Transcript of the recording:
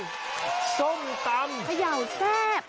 เฮ้ยซ้มตำพยาวแซ่บ